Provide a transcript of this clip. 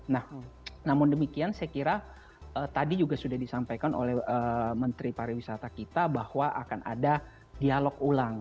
nah namun demikian saya kira tadi juga sudah disampaikan oleh menteri pariwisata kita bahwa akan ada dialog ulang